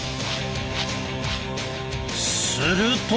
すると。